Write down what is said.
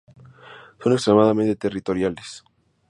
Son extremadamente territoriales.